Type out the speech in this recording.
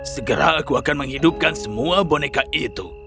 segera aku akan menghidupkan semua boneka itu